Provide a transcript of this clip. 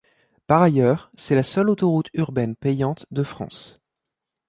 Par ailleurs c'est la seule autoroute urbaine payante de France.